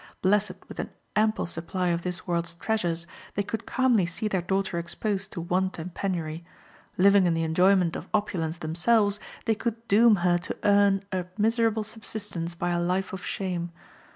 Blessed with an ample supply of this world's treasures, they could calmly see their daughter exposed to want and penury. Living in the enjoyment of opulence themselves, they could doom her to earn a miserable subsistence by a life of shame.